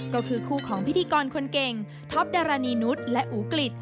ก็คือคู่ของพิธีกรคนเก่งท็อปดารณีนุษย์และอูกฤษ